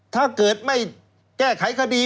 ถ้าเกิดไม่แก้ไขคดี